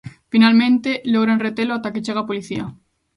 Finalmente logran retelo ata que chega a policía.